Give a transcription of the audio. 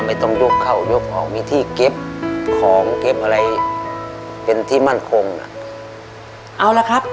ไม่ต้องยกเข้ายกออกมีที่เก็บของเก็บอะไรเป็นที่มั่นคงอ่ะเอาละครับ